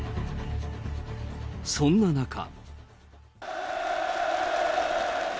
そんな中。